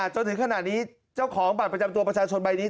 จนถึงขณะนี้เจ้าของบัตรประจำตัวประชาชนใบนี้